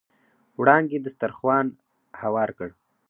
وړانګې دسترخوان هوار کړ.